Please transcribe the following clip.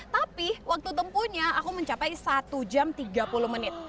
tapi waktu tempuhnya aku mencapai satu jam tiga puluh menit